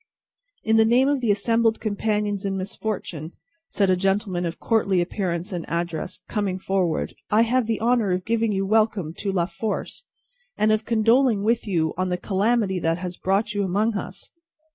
"In the name of the assembled companions in misfortune," said a gentleman of courtly appearance and address, coming forward, "I have the honour of giving you welcome to La Force, and of condoling with you on the calamity that has brought you among us.